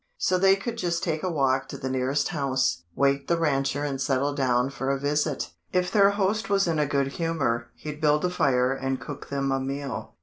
So they could just take a walk to the nearest house, wake the rancher and settle down for a visit. If their host was in a good humor, he'd build a fire and cook them a meal.